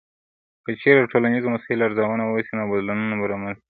که چیرې د ټولنیزو مسایلو ارزونه وسي، نو بدلونونه به رامنځته سي.